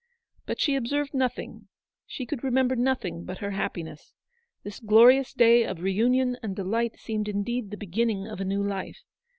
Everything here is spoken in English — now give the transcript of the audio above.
But she observed nothing, she could remember nothing but her happiness. This glorious day of reunion and delight seemed indeed the beginning of a new life.